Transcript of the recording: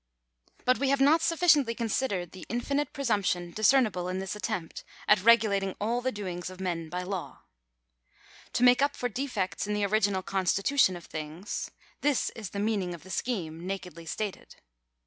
But we have not sufficiently considered the infinite presump tion discernible in this attempt at regulating all the doings of men by law. To make up for defects in the original constitu tion of things — this is the meaning of the scheme, nakedly stated.